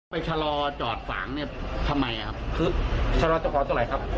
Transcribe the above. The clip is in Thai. ไปชะลอจอดฝางเนี่ยทำไมอ่ะครับคือชะลอเจ้าของตัวไหนครับ